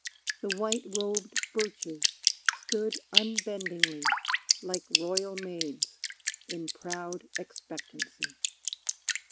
The white robed birches stood unbendingly Like royal maids, in proud expectancy.